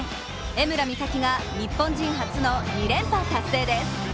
江村美咲が日本人初の２連覇達成です。